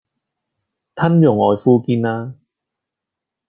啍用愛膚堅啦